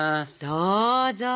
どうぞ！